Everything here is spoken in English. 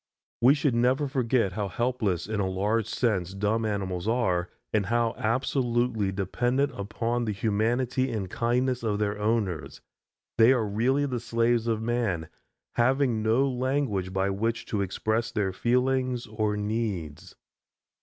We should never forget how helpless, in a large sense, dumb animals are and how absolutely dependent upon the humanity and kindness of their owners. They are really the slaves of man, having no language by which to express their feelings or needs.